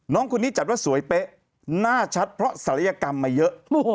น้องคนนี้จัดว่าสวยเป๊ะหน้าชัดเพราะศัลยกรรมมาเยอะ